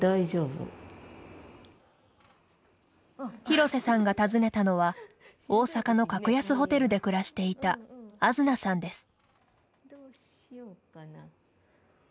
廣瀬さんが訪ねたのは大阪の格安ホテルで暮らしていたあづなさんです。